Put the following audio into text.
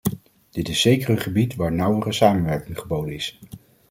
Dit is zeker een gebied waar nauwere samenwerking geboden is.